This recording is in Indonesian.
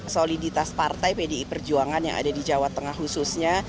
soliditas partai pdi perjuangan yang ada di jawa tengah khususnya